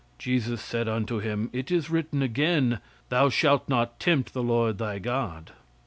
Jesus said unto him 'It is written again, thou shalt not tempt the Lord thy God.'